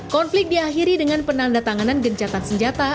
konflik diakhiri dengan penanda tanganan gencatan senjata